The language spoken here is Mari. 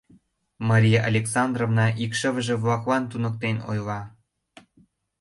— Мария Александровна икшывыже-влаклан туныктен ойла.